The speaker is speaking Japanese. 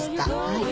はい。